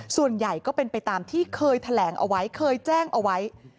ส่วนใหญ่ก็เป็นไปตามที่เคยแถลงเอาไว้เคยแจ้งเอาไว้